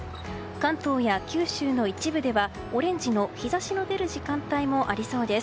関東や九州の一部ではオレンジの日差しの出る時間帯もありそうです。